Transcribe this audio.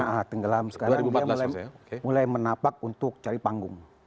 nah tenggelam sekarang dia mulai menapak untuk cari panggung